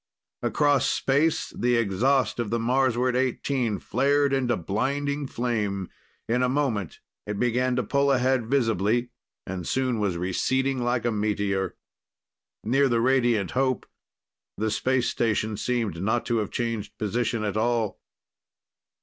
Across space the exhaust of the Marsward XVIII flared into blinding flame. In a moment, it began to pull ahead visibly and soon was receding like a meteor. Near the Radiant Hope, the space station seemed not to have changed position at all.